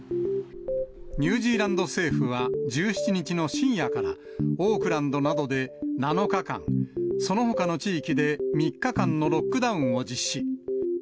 ニュージーランド政府は１７日の深夜から、オークランドなどで７日間、そのほかの地域で３日間のロックダウンを実施。